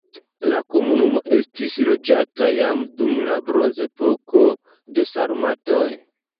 La komunumo estis loĝata jam dum la bronzepoko, de sarmatoj.